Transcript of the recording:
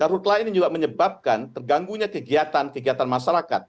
kartu telah ini juga menyebabkan terganggu kegiatan kegiatan masyarakat